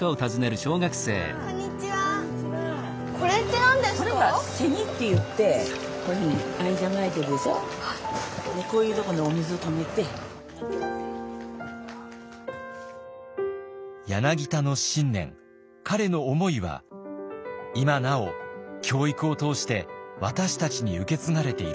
柳田の信念彼の思いは今なお教育を通して私たちに受け継がれているのです。